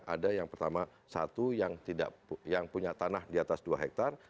ada yang pertama satu yang punya tanah diatas dua hektar